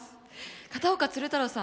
片岡鶴太郎さん